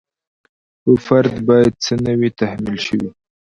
په فرد باید څه نه وي تحمیل شوي.